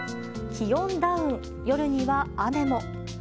気温ダウン、夜には雨も。